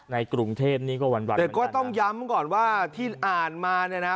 ในกรุงเทพนี้ก็หวั่นแต่ก็ต้องย้ำก่อนว่าที่อ่านมาเนี่ยนะ